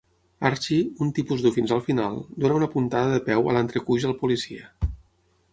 Archie, Un tipus dur fins al final, dona una puntada de peu a l'entrecuix al policia.